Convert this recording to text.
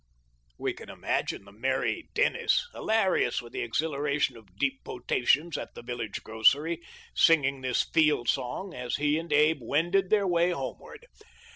We can imagine the merry Dennis, hilarious with the exhilaration of deep potations at the village grocery, singing this " field song " as he and Abe wended their way homeward.